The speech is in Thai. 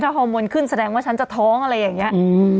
ฮอร์โมนขึ้นแสดงว่าฉันจะท้องอะไรอย่างนี้